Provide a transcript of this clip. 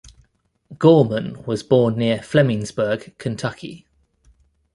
Gorman was born near Flemingsburg, Kentucky.